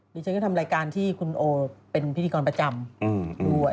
ดิฉันก็ทำรายการที่คุณโอเป็นพิธีกรประจำด้วย